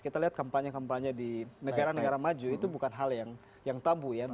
kita lihat kampanye kampanye di negara negara maju itu bukan hal yang tabu ya